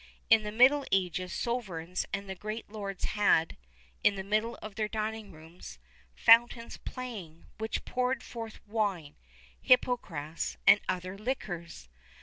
[XXXI 33] In the middle ages, the sovereigns and the great lords had, in the middle of their dining rooms, fountains playing, which poured fourth wine, hippocrass, and other liquors.